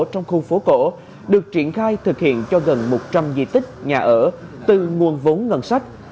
trong khu phố cổ được triển khai thực hiện cho gần một trăm linh di tích nhà ở từ nguồn vốn ngân sách